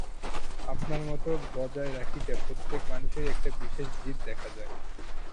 আপনার মত বজায় রাখিতে প্রত্যেক মানুষেরই একটা বিশেষ জিদ দেখা যায়।